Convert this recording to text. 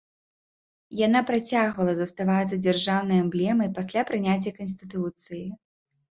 Яна працягвала заставацца дзяржаўнай эмблемай пасля прыняцця канстытуцыі.